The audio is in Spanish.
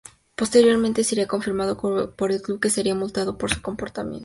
Posteriormente sería confirmando por el club que sería multado por su comportamiento.